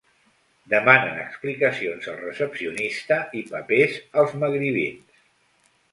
Demanen explicacions al recepcionista i papers als magribins.